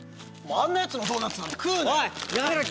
あんなヤツのドーナツなんて食うなよ！